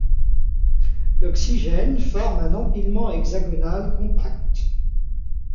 L'oxygène forme un empilement hexagonal compact.